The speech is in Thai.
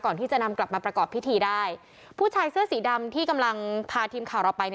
ก่อนที่จะนำกลับมาประกอบพิธีได้ผู้ชายเสื้อสีดำที่กำลังพาทีมข่าวเราไป